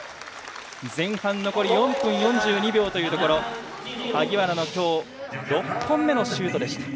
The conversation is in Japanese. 前半残り４分４２秒というところ萩原の今日６本目のシュートでした。